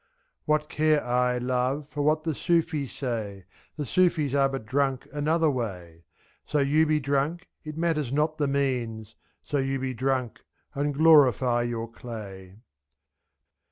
What care I, love, for what the Sufis say? The Sufis are but drunk another way; S^. So you be drunk, it matters not the means. So you be drunk — and glorify your clay.